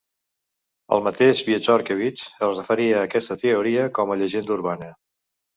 El mateix Wieczorkiewicz es referia a aquesta teoria com a llegenda urbana.